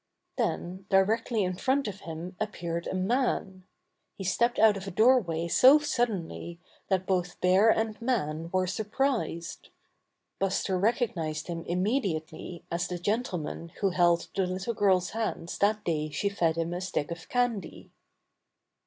Then directly in front of him appeared a man. He stepped out of a doorway so sud denly that both bear and man were surprised. Buster recognized him immediately as the gentleman who held the little girl's hands thait day she fed him a stick of candy.